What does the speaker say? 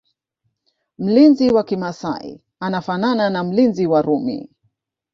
Mlinzi wa kimasai anafanana na mlinzi wa Rumi